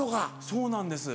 そうなんです。